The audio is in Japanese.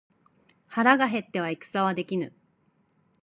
腹が減っては戦はできぬ